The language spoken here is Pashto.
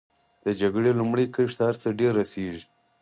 د جګړې لومړۍ کرښې ته هر څه ډېر رسېږي.